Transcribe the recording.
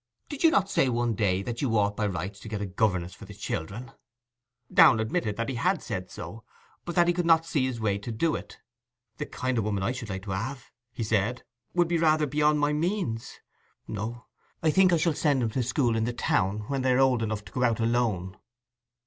'Did you not say one day that you ought by rights to get a governess for the children?' Downe admitted that he had said so, but that he could not see his way to it. 'The kind of woman I should like to have,' he said, 'would be rather beyond my means. No; I think I shall send them to school in the town when they are old enough to go out alone.